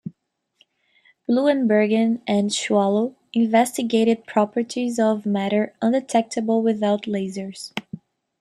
Bloembergen and Schawlow investigated properties of matter undetectable without lasers.